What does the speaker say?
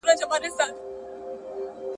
دا هلمند هلمند رودونه !.